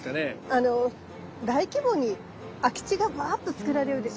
あの大規模に空き地がバーッとつくられるでしょ。